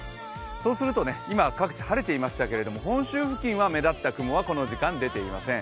そうすると、今各地晴れていましたけれども、本州付近は目立った雲はこの時間出ていません。